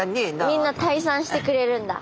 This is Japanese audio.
みんな退散してくれるんだ。